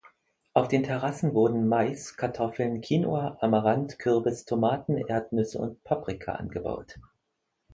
Auf den Terrassen wurden Mais, Kartoffeln, Quinoa, Amarant, Kürbis, Tomaten, Erdnüsse und Paprika angebaut.